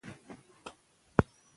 هغه متن چې واضح نه وي، باید سم شي.